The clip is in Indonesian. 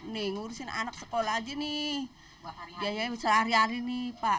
nih ngurusin anak sekolah aja nih biaya besar hari hari nih pak